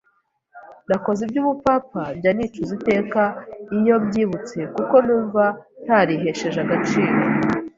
Nakoze iby’ubupfapfa, njya nicuza iteka iyo mbyibutse kuko numva ntarihesheje agaciro